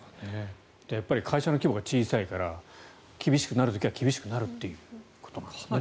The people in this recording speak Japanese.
やっぱり会社の規模が小さいから厳しくなる時は厳しくなるということなんですね。